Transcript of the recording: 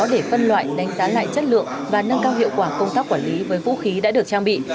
để phân loại đánh giá lại chất lượng và nâng cao hiệu quả công tác quản lý với vũ khí đã được trang bị